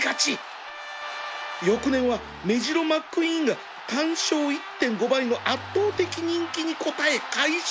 翌年はメジロマックイーンが単勝 １．５ 倍の圧倒的人気に応え快勝